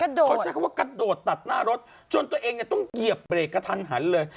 เขาใช้คำว่ากระโดดตัดหน้ารถจนตัวเองเนี่ยต้องเหยียบเบรกกระทันหันเลย